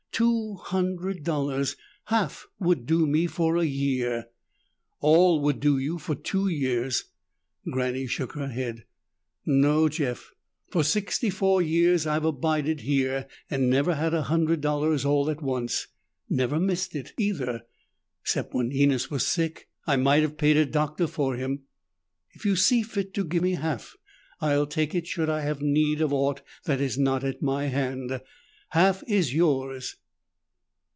Two hundred dollars! Half would do me for a year." "All would do you for two years." Granny shook her head. "No, Jeff. For sixty four years I've abided here and never had a hundred dollars all at once. Never missed it, either, 'cept when Enos was sick. I might have paid a doctor for him. If you see fit to give me half, I'll take it should I have need of aught that is not at my hand. Half is yours."